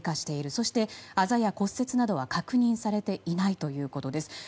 そして、あざや骨折などは確認されていないということです。